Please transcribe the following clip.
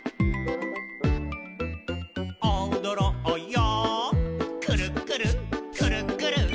「おどろうよくるっくるくるっくる」